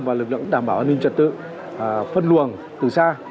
và lực lượng đảm bảo an ninh trật tự phân luồng từ xa